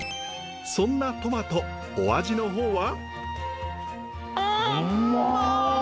そんなトマトお味の方は？